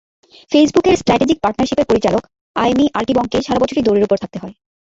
ফেসবুকের স্ট্র্যাটেজিক পার্টনারশিপের পরিচালক আয়েমি আর্কিবংকে সারা বছরই দৌড়ের ওপর থাকতে হয়।